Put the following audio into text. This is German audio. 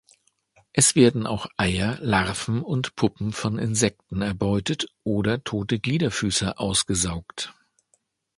Es werden auch Eier, Larven und Puppen von Insekten erbeutet oder tote Gliederfüßer ausgesaugt.